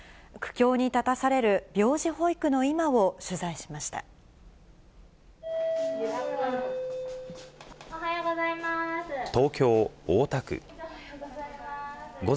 苦境に立たされる病児保育の今を取材しました。